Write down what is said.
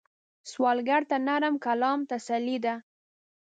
سوالګر ته نرم کلام تسلي ده